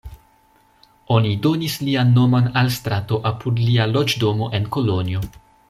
Oni donis lian nomon al strato apud lia loĝdomo en Kolonjo.